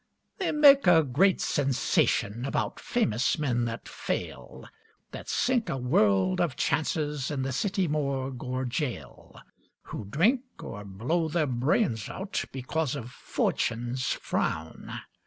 They make a great sensation About famous men that fail, That sink a world of chances In the city morgue or gaol, Who drink, or blow their brains out, Because of "Fortune's frown".